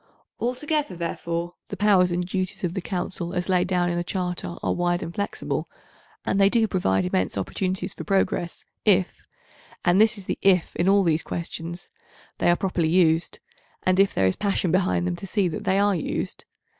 Altogether, therefore, the powers and duties of the Council as laid down in the Charter are wide and flexible, and they do provide immense opportunities for progress if—and this is the "if" in all these questions—they are properly used, and if there is passion behind them to see that they are used.